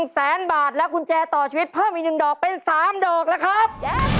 แสนบาทและกุญแจต่อชีวิตเพิ่มอีก๑ดอกเป็น๓ดอกแล้วครับ